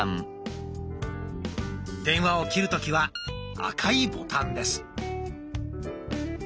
電話を切る時は赤いボタンです。